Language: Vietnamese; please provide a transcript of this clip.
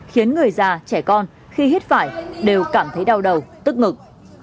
khiến người già trẻ con khi hít phải đều cảm thấy đau đầu tức ngực